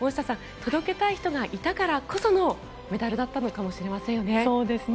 届けたい人がいたからこそのメダルだったのかもしれませんよね。